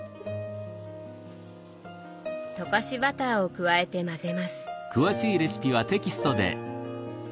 溶かしバターを加えてまぜます。